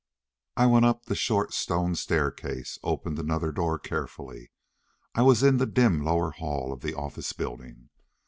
I went up the short stone staircase, opened another door carefully. I was in the dim lower hall of the office building.